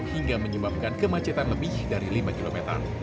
hingga menyebabkan kemacetan lebih dari lima km